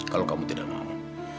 kalau kamu tidak mau